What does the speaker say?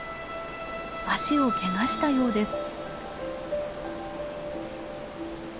足をけがしたようです。